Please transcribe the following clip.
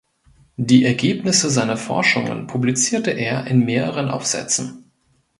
Die Ergebnisse seiner Forschungen publizierte er in mehreren Aufsätzen.